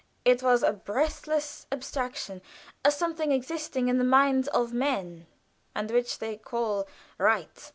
It was a breathless abstraction a something existing in the minds of men, and which they call "Right!"